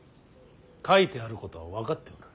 書いてあることは分かっておる。